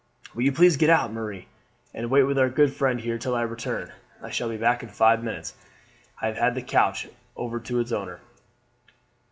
"Will you please get out, Marie, and wait with our good friend here till I return. I shall be back in five minutes. I have to hand the coach over to its owner."